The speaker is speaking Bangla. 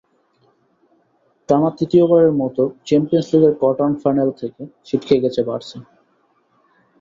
টানা তৃতীয়বারের মতো চ্যাম্পিয়নস লিগের কোয়ার্টার ফাইনাল থেকে ছিটকে গেছে বার্সা।